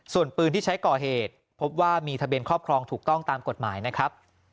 ส่วนปืนที่ใช้ก่อเหตุพบว่ามีทะเบียนครอบครองถูกต้องตามกฎหมายนะครับ